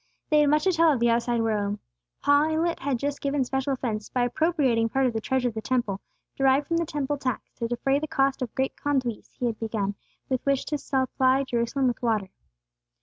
They had much to tell of the outside world. Pilate had just given special offence, by appropriating part of the treasure of the Temple, derived from the Temple tax, to defray the cost of great conduits he had begun, with which to supply Jerusalem with water.